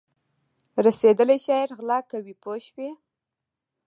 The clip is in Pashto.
رسېدلی شاعر غلا کوي پوه شوې!.